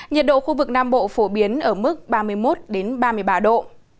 nhiệt độ khu vực nam bộ phổ biến ở mức ba mươi một ba mươi ba độ